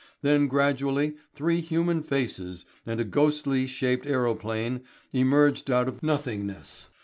Then gradually three human faces and a ghostly shaped aerophane emerged out of nothingness.